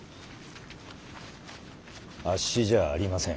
あっしじゃありません。